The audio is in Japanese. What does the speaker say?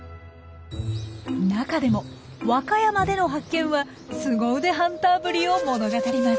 中でも和歌山での発見はスゴ腕ハンターぶりを物語ります。